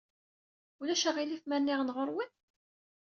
Ulac aɣilif ma rniɣ-n ɣer-wen?